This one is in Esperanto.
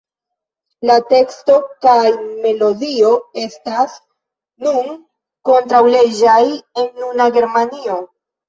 La teksto kaj melodio estas nun kontraŭleĝaj en nuna Germanio.